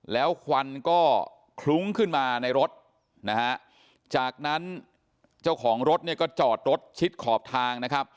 แล้วควันก็คลุ้งขึ้นมาในรถจากนั้นเจ้าของรถก็จอดรถชิดขอบทาง